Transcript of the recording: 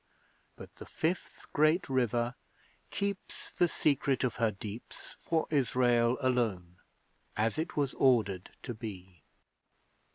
But the Fifth Great River keeps The secret of Her deeps For Israel alone, As it was ordered to be.